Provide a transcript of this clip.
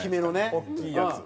大きいやつ。